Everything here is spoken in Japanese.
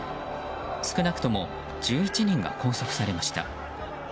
少なくとも１１人が拘束されました。